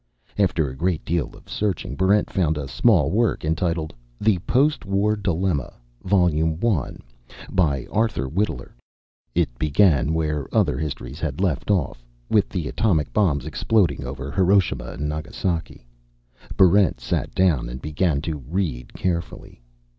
After a great deal of searching, Barrent found a small work entitled, "The Postwar Dilemma, Volume 1," by Arthur Whittler. It began where the other histories had left off; with the atomic bombs exploding over Hiroshima and Nagasaki. Barrent sat down and began to read carefully.